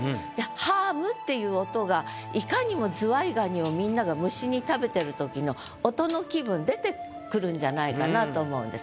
「食む」っていう音がいかにもずわい蟹をみんなが無心に食べてる時の音の気分出てくるんじゃないかなと思うんです。